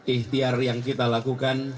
ikhtiar yang kita lakukan